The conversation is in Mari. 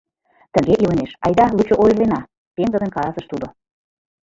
Тыге илымеш, айда лучо ойырлена, — пеҥгыдын каласыш тудо.